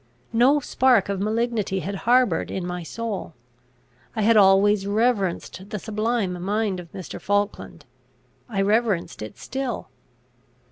No spark of malignity had harboured in my soul. I had always reverenced the sublime mind of Mr. Falkland; I reverenced it still.